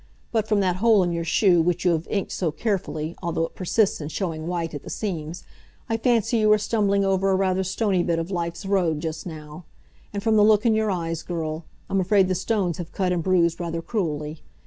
But from that hole in your shoe which you have inked so carefully, although it persists in showing white at the seams, I fancy you are stumbling over a rather stony bit of Life's road just now. And from the look in your eyes, girl, I'm afraid the stones have cut and bruised rather cruelly.